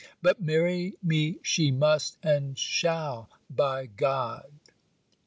But marry me she must and shall, by G d!